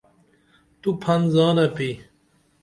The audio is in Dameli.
تو پھن زانپی؟